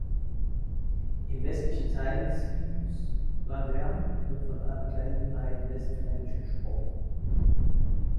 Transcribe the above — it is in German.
Im westlichen Teil Zeeuws Vlaanderen wird von einer kleinen Minderheit Westflämisch gesprochen.